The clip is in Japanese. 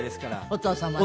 お父様ね。